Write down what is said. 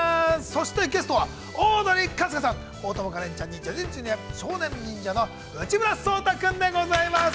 そして、ゲストはオードリー春日さん大友花恋ちゃんにジャニーズＪｒ．少年忍者の内村颯太君でございます。